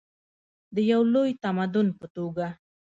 د یو لوی تمدن په توګه.